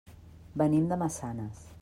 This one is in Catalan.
Venim de Massanes.